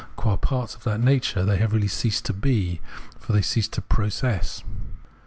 Qua parts of that nature they have really ceased to he, for they cease to be processes.